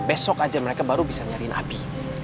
besok aja mereka baru bisa nyariin api